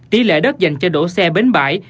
tỷ lệ đất dành cho đổ xe bến bãi